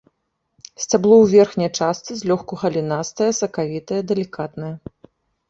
Сцябло ў верхняй частцы злёгку галінастае, сакавітае, далікатнае.